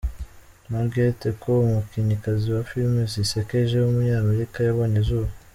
Margaret Cho, umukinnyikazi wa filime zisekeje w’umunyamerika yabonye izuba.